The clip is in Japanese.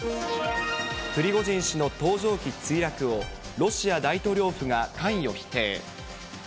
プリゴジン氏の搭乗機墜落を、ロシア大統領府が関与否定。